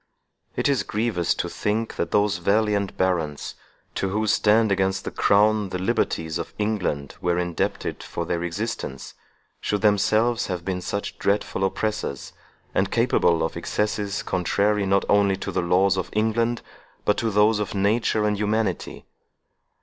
It is grievous to think that those valiant barons, to whose stand against the crown the liberties of England were indebted for their existence, should themselves have been such dreadful oppressors, and capable of excesses contrary not only to the laws of England, but to those of nature and humanity.